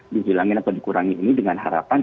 dihilangin atau dikurangi ini dengan harapan